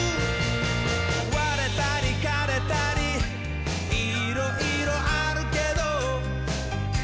「われたりかれたりいろいろあるけど」